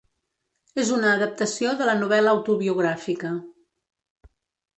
És una adaptació de la novel·la autobiogràfica.